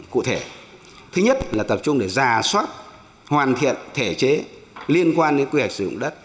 cụ thể thứ nhất là tập trung để giả soát hoàn thiện thể chế liên quan đến quy hoạch sử dụng đất